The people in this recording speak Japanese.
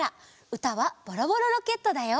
うたは「ボロボロロケット」だよ。